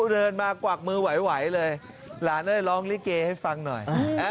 เดินมากวักมือไหวเลยหลานเลยร้องลิเกให้ฟังหน่อย